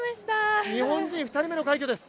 日本人２人目の快挙です。